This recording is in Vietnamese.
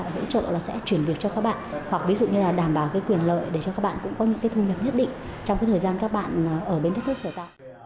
hỗ trợ là sẽ chuyển việc cho các bạn hoặc ví dụ như là đảm bảo cái quyền lợi để cho các bạn cũng có những cái thu nhập nhất định trong thời gian các bạn ở bến đất nước sở tại